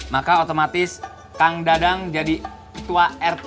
maka otomatis kang dadang jadi ketua rt